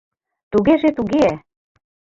— Тугеже-туге...